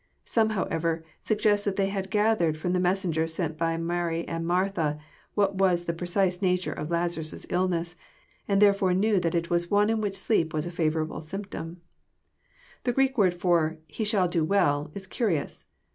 Some, however, suggest that they had gathered from the messenger sent by Martha and. Mary what was the precise nature of Laza rus' illness, and therefore knew that it was one in which sleep was a favourable symptom. The Greek word for " he shall do well," is curious.